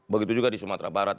begitu juga di sumatera barat